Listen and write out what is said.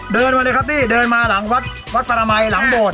เดินวันเลยครับตีเดินมาหลังวัดตรีส์ปรามัยหลังโบรต